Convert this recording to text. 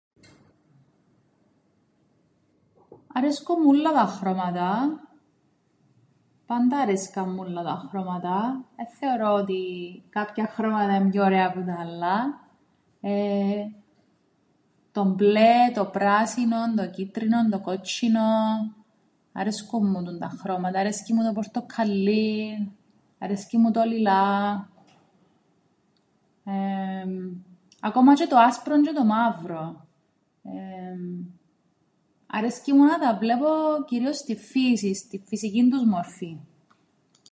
Αρέσκουν μου ούλλα τα χρώματα, πάντα αρέσκαν μου ούλλα τα χρώματα, εν θεωρώ ότι κάποια χρώματα εν' πιο ωραία που τα άλλα, ε το μπλε, το πράσινον, το κίτρινον, το κότσ̆ινον αρέσκουν μου τούντα χρώματα, αρέσκει μου το πορτοκκαλλίν αρέσκει μου το λιλά εεεμ ακόμα τζ̆αι το άσπρον τζ̆αι το μαύρον εεεμ αρέσκει μου να τα βλέπω κυρίως στην φύσην, στην φυσικήν τους μορφήν.